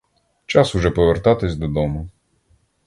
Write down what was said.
Час уже повертатись додому.